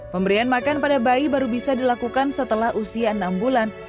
pemberian makan pada bayi baru bisa dilakukan setelah usia enam bulan